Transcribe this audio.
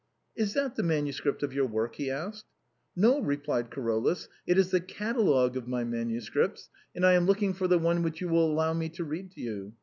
" Is that the manuscript of your work ?" he asked.' " No," replied Carolus ;" it is the catalogue of my man uscripts ; and I am looking for the one which you will allow me to read to you.